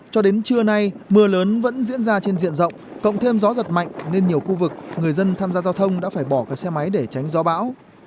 cho đến trưa nay mưa lớn vẫn diễn ra trên diện rộng cộng thêm gió giật mạnh nên nhiều khu vực người dân tham gia giao thông đã phải bỏ các xe máy để tránh gió bão